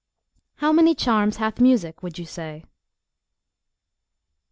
HOW MANY CHARMS HATH MUSIC, WOULD YOU SAY?